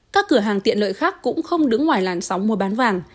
các cửa hàng tiện lợi khác cũng không đứng ngoài làn sóng mua bán vàng